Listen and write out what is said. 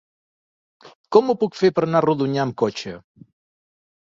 Com ho puc fer per anar a Rodonyà amb cotxe?